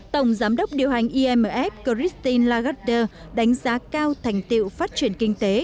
tổng giám đốc điều hành imf christine lagarder đánh giá cao thành tiệu phát triển kinh tế